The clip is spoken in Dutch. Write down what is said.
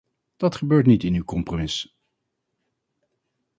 Dat gebeurt niet in uw compromis.